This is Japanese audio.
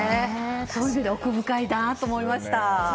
そういう意味で奥深いなと思いました。